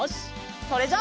それじゃあ。